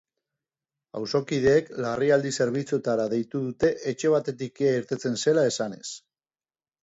Auzokideek larrialdi zerbitzuetara deitu dute etxe batetik kea irtetzen zela esanez.